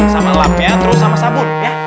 sama lamnya terus sama sabun ya